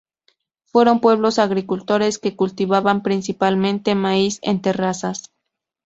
Fueron pueblos agricultores que cultivaban principalmente maíz en terrazas.